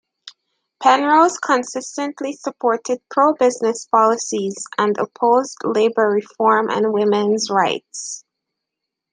Penrose consistently supported "pro-business" policies, and opposed labor reform and women's rights.